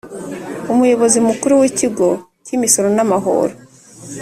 Umuyobozi mukuru w’ ikigo cy ‘Imisoro n ‘Amahoro